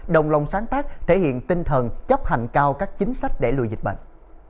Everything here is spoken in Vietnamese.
đồng lòng sáng tác thể hiện tinh thần chấp hành cao các chính sách để lùi dịch bệnh